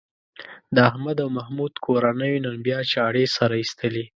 د احمد او محمود کورنیو نن بیا چاړې سره ایستلې.